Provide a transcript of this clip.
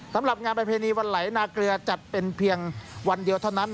สำหรับงานประเพณีวันไหลนาเกลือจัดเป็นเพียงวันเดียวเท่านั้น